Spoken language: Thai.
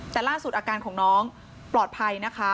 แต่ล่าสุดอาการของน้องปลอดภัยนะคะ